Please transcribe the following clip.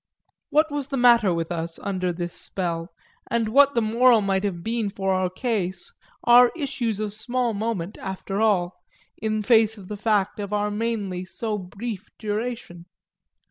What was the matter with us under this spell, and what the moral might have been for our case, are issues of small moment, after all, in face of the fact of our mainly so brief duration.